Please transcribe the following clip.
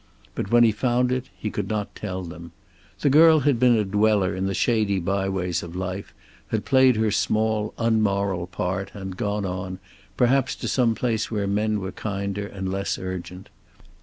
But when he found it he could not tell them. The girl had been a dweller in the shady byways of life, had played her small unmoral part and gone on, perhaps to some place where men were kinder and less urgent.